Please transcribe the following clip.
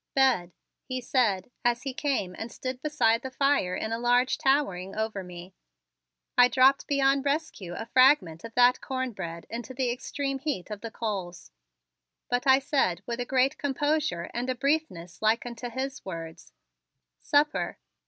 "Bed," he said as he came and stood beside the fire in a large towering over me. I dropped beyond rescue a fragment of that corn bread into the extreme heat of the coals, but I said with a great composure and a briefness like unto his words: "Supper."